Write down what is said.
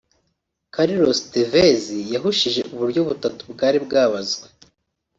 Carlos Tevez yahushije uburyo butatu bwari bwabazwe